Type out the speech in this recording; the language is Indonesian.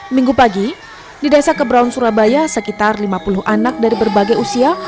minggu pagi di desa keberaun surabaya sekitar lima puluh anak dari berbagai usia